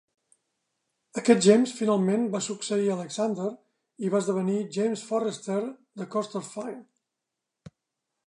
Aquest James finalment va succeir a Alexander i va esdevenir James Forrester de Corstorphine.